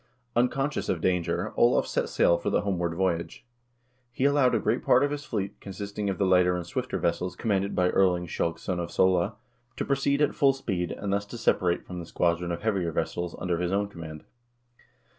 Unconscious of danger, Olav set sail for the homeward voyage. He allowed a great part of his fleet, con sisting of the lighter and swifter vessels commanded by Erling Skjalgs son of Sole, to proceed at full speed, and thus to separate from the squadron of heavier vessels under his own command.